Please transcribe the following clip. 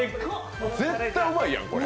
絶対うまいやん、これ。